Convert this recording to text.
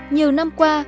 nhiều năm qua